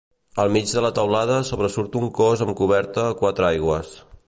Al mig de la teulada sobresurt un cos amb coberta a quatre aigües.